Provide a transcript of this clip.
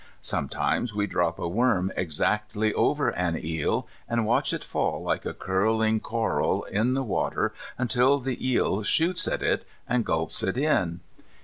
Sometimes we drop a worm exactly over an eel, and watch it fall like a curling coral in the water until the eel shoots at it, and gulps it in.